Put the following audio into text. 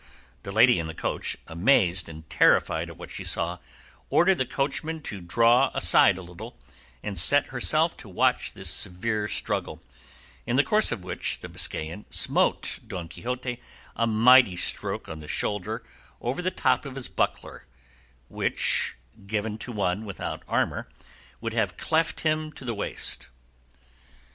The lady in the coach, amazed and terrified at what she saw, ordered the coachman to draw aside a little, and set herself to watch this severe struggle, in the course of which the Biscayan smote Don Quixote a mighty stroke on the shoulder over the top of his buckler, which, given to one without armour, would have cleft him to the waist.